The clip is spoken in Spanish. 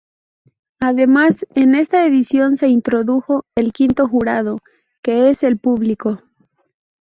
Además, en esta edición se introdujo "El Quinto Jurado", que es el público.